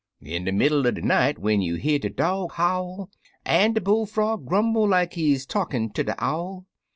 In de middle er de night, when you hear de dog howl, An' de bullfrog grumble like he talkin' terde owl.